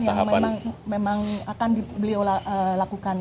yang memang akan beliau lakukan